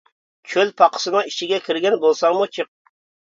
چۆل پاقىسىنىڭ ئىچىگە كىرگەن بولساڭمۇ چىق.